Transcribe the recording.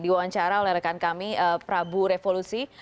di wawancara oleh rekan kami prabu revolusi